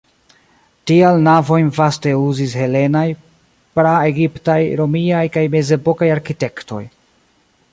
Tial navojn vaste uzis helenaj, pra-egiptaj, romiaj kaj mezepokaj arkitektoj.